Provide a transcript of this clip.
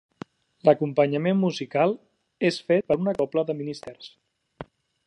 L'acompanyament musical és fet per una cobla de ministrers.